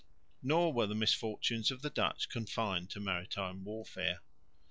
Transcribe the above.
Nor were the misfortunes of the Dutch confined to maritime warfare.